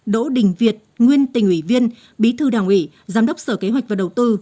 đỗ đình việt nguyên tỉnh ủy viên bí thư đảng ủy giám đốc sở kế hoạch và đầu tư